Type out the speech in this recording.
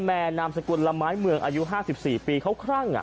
มันโดดแล้วหรอ